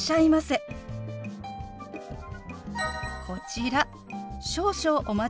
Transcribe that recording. こちら。